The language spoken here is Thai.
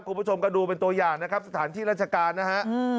คุณผู้ชมก็ดูเป็นตัวอย่างนะครับสถานที่ราชการนะฮะ